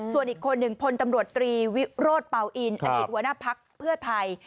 ส่วนอีกคนหนึ่งพลตำรวจตรีวิโรธเป่าอินอดีตหัวหน้าพักเพื่อไทย